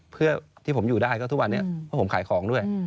เพื่อที่ผมอยู่ได้ก็ทุกวันนี้เพราะผมขายของด้วย